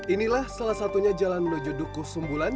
inilah salah satunya jalan menuju dukuh sumbulan